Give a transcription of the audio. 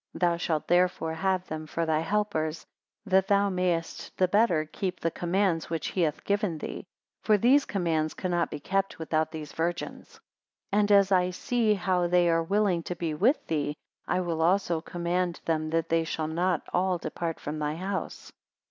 Thou shalt therefore have them for thy helpers, that thou mayest the better keep the commands which he hath given thee; for these commands cannot be kept without these virgins. 16 And as I see how they are willing to be with thee, I will also command them that they shall not all depart from thy house.